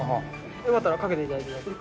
よかったらかけて頂いて。